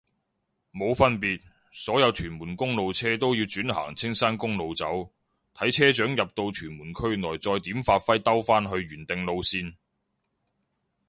冇分別，所有屯門公路車都要轉行青山公路走，睇車長入到屯門區內再點發揮兜返去原定路線